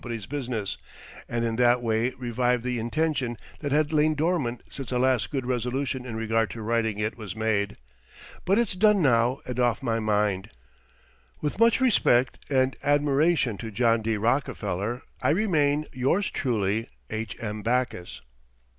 's business, and in that way revived the intention that had lain dormant since the last good resolution in regard to writing it was made. But it's done now, and off my mind. With much respect and admiration to John D. Rockefeller I remain, Yours truly, H.M. BACKUS.